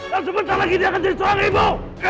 dan sebentar lagi dia akan jadi seorang ibu